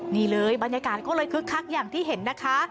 นี่เลยบรรยากาศก็เลยคึกคักอย่างที่เห็นนะคะ